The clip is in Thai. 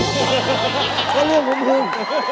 ก็เลือกของมึง